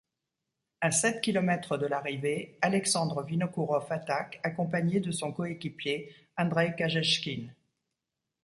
À sept kilomètres de l'arrivée, Alexandre Vinokourov attaque, accompagné de son coéquipier Andrey Kashechkin.